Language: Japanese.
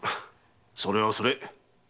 それはそれ。